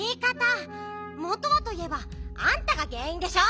もとはといえばあんたがげんいんでしょ！